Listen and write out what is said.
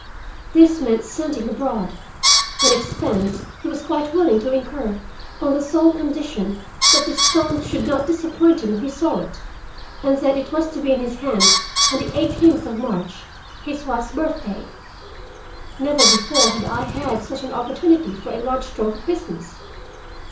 This meant sending abroad—an expense he was quite willing to incur on the sole condition that the stone should not disappoint him when he saw it, and that it was to be in his hands on the eighteenth of March, his wife's birthday. Never before had I had such an opportunity for a large stroke of business.